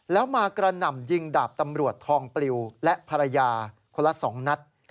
แล้วมากระหน่ำยิงดาบตำรวจทองปลิวและภรรยาคนละ๒นัด